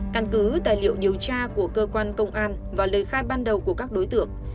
căn cứ tài liệu điều tra của cơ quan công an và lời khai ban đầu của các đối tượng